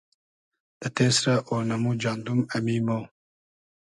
دۂ تېسرۂ اۉنئمو جاندوم ، امی مۉ